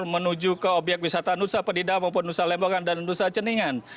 menuju ke obyek wisata nusa penida maupun nusa lembongan dan nusa ceningan